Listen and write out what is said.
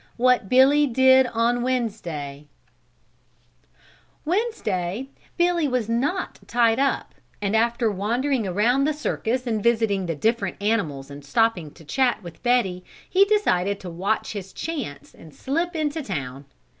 What Billy Did on Wednesday Wednesday, Billy was not tied up and after wandering around the circus and visiting the different animals and stopping to chat with Betty, he decided to watch his chance and slip into town.